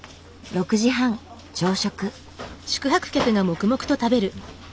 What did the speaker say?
６時半朝食。